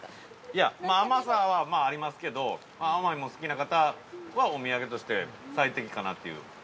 ◆いや、甘さはまあありますけど甘いもん好きな方はお土産として最適かなという。